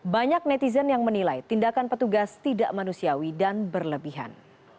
banyak netizen yang menilai tindakan petugas tidak manusiawi dan berlebihan